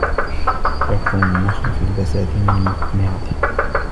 يَكْثُرُ النَّخْلُ فِي الْبَساتِينِ الْمُثْمِرَةِ.